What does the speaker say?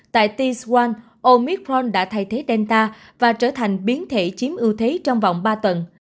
tại tis một omicron đã thay thế delta và trở thành biến thể chiếm ưu thế trong vòng ba tuần